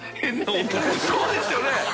そうですよね。